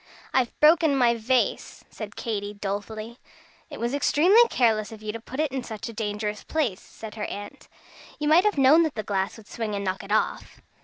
"I've broken my vase," said Katy, dolefully. "It was extremely careless of you to put it in such a dangerous place," said her aunt. "You might have known that the glass would swing and knock it off."